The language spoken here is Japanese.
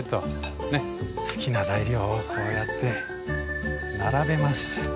好きな材料をこうやって並べます。